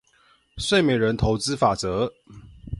睡美人投資法則